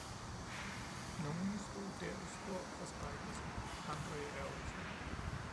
Nogle stod der i stor forskrækkelse, andre i ærgrelse